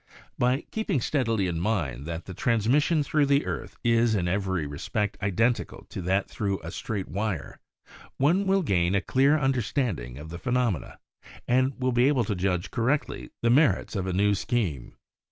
By keeping steadily in mind that the transmis sion thru the earth is in every respect identical to that thru a straight wire, one will gain a clear understanding of the phe nomena and will be able to judge correctly the merits of a new scheme.